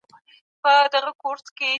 یاقوت